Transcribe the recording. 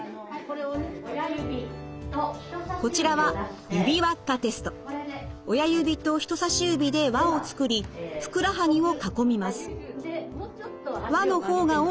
こちらは親指と人さし指で輪を作りふくらはぎを囲みます。